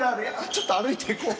ちょっと歩いていこう。